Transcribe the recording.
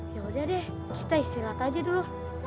ya udah deh kita istirahat aja dulu